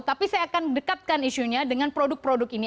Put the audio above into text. tapi saya akan dekatkan isunya dengan produk produk ini